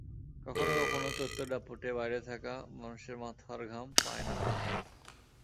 কখনো কখনো চৈত্রের দাপটে বাইরে থাকা মানুষের মাথার ঘাম পায়ে নামে।